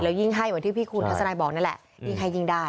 ยิ่งให้เหมือนที่พี่คุณทัศนายบอกนั่นแหละยิ่งให้ยิ่งได้